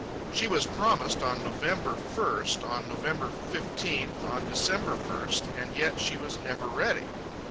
She was promised on November first, on November fifteenth, on December first; and yet she was never ready.